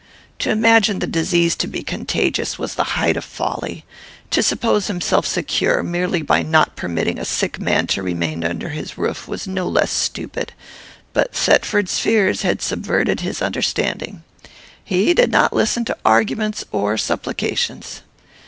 To imagine the disease to be contagious was the height of folly; to suppose himself secure, merely by not permitting a sick man to remain under his roof, was no less stupid; but Thetford's fears had subverted his understanding. He did not listen to arguments or supplications.